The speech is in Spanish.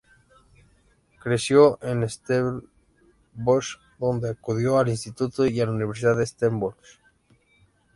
Creció en Stellenbosch, donde acudió al instituto y a la Universidad de Stellenbosch.